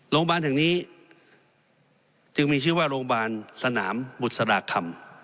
โรงพยาบาลแห่งนี้จึงมีชื่อว่าโรงพยาบาลสนามบุษราคำ